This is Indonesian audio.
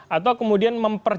atau kemudian mempercayai